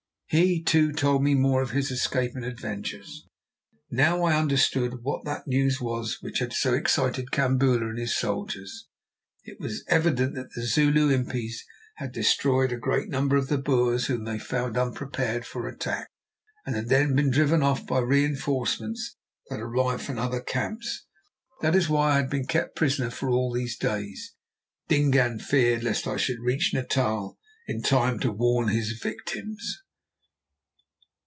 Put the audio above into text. He, too, told me more of his escape and adventures. Now I understood what was that news which had so excited Kambula and his soldiers. It was evident that the Zulu impis had destroyed a great number of the Boers whom they found unprepared for attack, and then had been driven off by reinforcements that arrived from other camps. That was why I had been kept prisoner for all those days. Dingaan feared lest I should reach Natal in time to warn his victims!